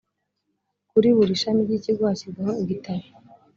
kuri buri shami ry ikigo hashyirwaho igitabo